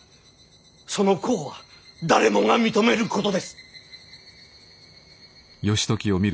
その功は誰もが認めることです。